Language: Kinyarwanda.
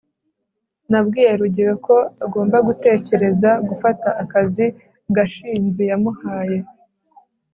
nabwiye rugeyo ko agomba gutekereza gufata akazi gashinzi yamuhaye